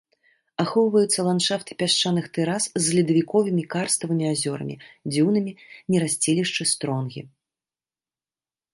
Ахоўваюцца ландшафты пясчаных тэрас з ледавіковымі карставымі азёрамі, дзюнамі, нерасцілішчы стронгі.